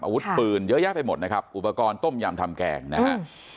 อาวุธปืนเยอะแยะไปหมดนะครับอุปกรณ์ต้มยำทำแกงนะฮะ